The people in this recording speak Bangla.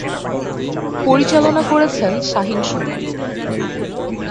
পরিচালনা করেছেন শাহীন সুমন।